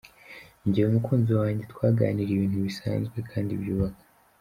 Njye umukunzi wanjye twaganiriye ibintu bisanzwe kandi byubaka.